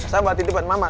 saya buat titip buat mama